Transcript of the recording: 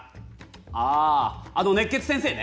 ああの熱血先生ね。